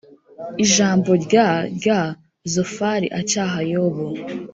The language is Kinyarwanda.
Ijambo rya rya Zofari acyaha Yobu